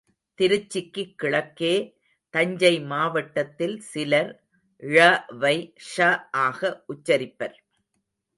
திருச்சிக்கு கிழக்கே, தஞ்சை மாவட்டத்தில் சிலர் ழ வை ஷ ஆக உச்சரிப்பர்.